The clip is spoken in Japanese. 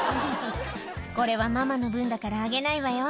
「これはママの分だからあげないわよ」